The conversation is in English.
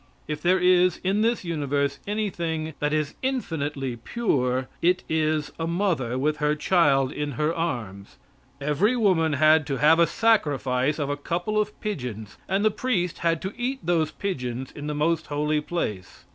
If there is in this universe anything that is infinitely pure, it is a mother with her child in her arms. Every woman had to have a sacrifice of a couple of pigeons, and the priests had to eat those pigeons in the most holy place.